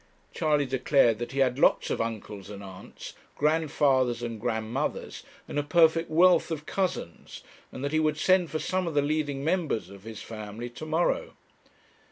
Charley declared that he had lots of uncles and aunts, grandfathers and grandmothers, and a perfect wealth of cousins, and that he would send for some of the leading members of his family to morrow.